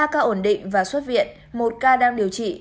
ba ca ổn định và xuất viện một ca đang điều trị